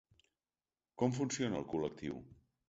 Com funciona el col·lectiu?